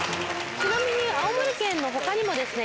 ちなみに青森県の他にもですね